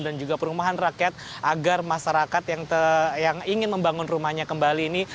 dan juga perumahan rakyat agar masyarakat yang ingin membangun rumahnya kembali ini